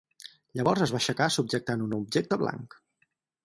Llavors es va aixecar subjectant un objecte blanc.